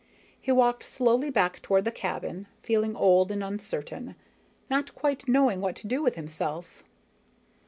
He walked slowly back toward the cabin, feeling old and uncertain, not quite knowing what to do with himself.